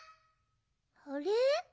あれ？